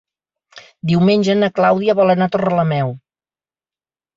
Diumenge na Clàudia vol anar a Torrelameu.